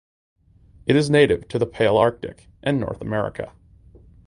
It is native to the Palearctic and Northern America.